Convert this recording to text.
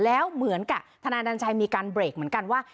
แล้วเหมือนกับทนายนันชัยมีการเบรกเหมือนกันว่า